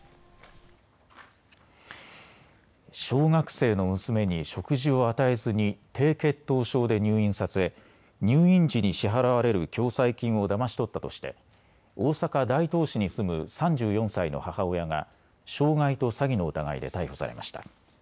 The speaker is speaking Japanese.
小学生の娘に食事を与えずに低血糖症で入院させ入院時に支払われる共済金をだまし取ったとして大阪大東市に住む３４歳の母親が傷害と詐欺の疑いで逮捕されました。